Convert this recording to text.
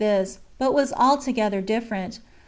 [Book hi. but was altogether different.